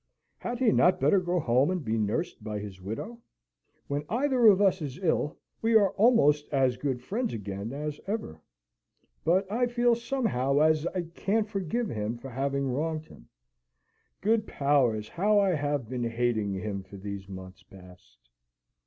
Had he not better go home and be nursed by his widow? When either of us is ill, we are almost as good friends again as ever. But I feel somehow as if I can't forgive him for having wronged him. Good Powers! How I have been hating him for these months past!